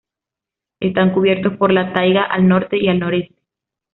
Están cubiertos por la taiga al norte y al noreste.